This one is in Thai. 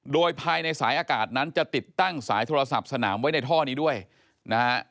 โดยภายในสายอากาศนั้นจะติดตั้งสายโทรศัพท์สนามไว้ในท่อนี้ด้วยนะฮะ